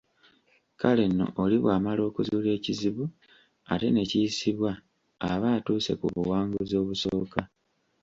Kale nno oli bw’amala okuzuula ekizibu ate ne kiyisibwa, aba atuuse ku buwanguzi obusooka.